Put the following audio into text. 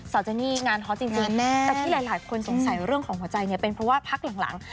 เจนี่งานฮอตจริงแต่ที่หลายคนสงสัยเรื่องของหัวใจเนี่ยเป็นเพราะว่าพักหลัง